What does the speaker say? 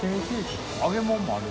揚げ物もある。